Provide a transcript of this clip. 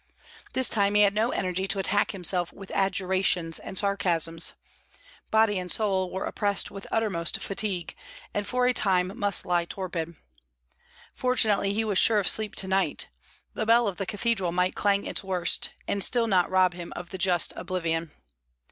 This time he had no energy to attack himself with adjurations and sarcasms; body and soul were oppressed with uttermost fatigue, and for a time must lie torpid. Fortunately he was sure of sleep to night; the bell of the cathedral might clang its worst, and still not rob him of the just oblivion.